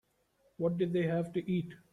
What did they have to eat?